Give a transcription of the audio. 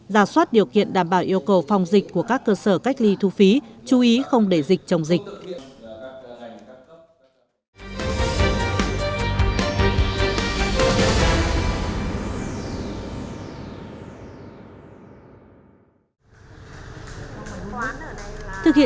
ra soát điều kiện đảm bảo yêu cầu phòng dịch của các cơ sở cách ly thu phí chú ý không để dịch chồng dịch